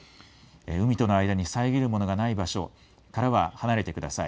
海との間に遮るものがない場所からは離れてください。